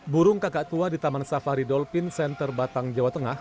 burung kakak tua di taman safari dolpin center batang jawa tengah